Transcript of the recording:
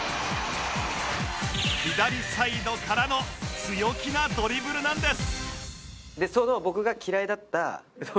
左サイドからの強気なドリブルなんです